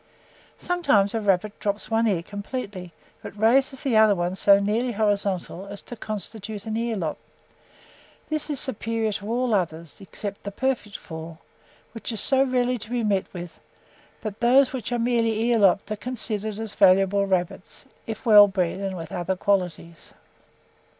Sometimes a rabbit drops one ear completely, but raises the other so neatly horizontally as to constitute an ear lop: this is superior to all others, except the perfect fall, which is so rarely to be met with, that those which are merely ear lopped are considered as valuable rabbits, if well bred and with other good qualities.